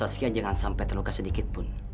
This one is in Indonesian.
bahwa saskia jangan sampai terluka sedikit pun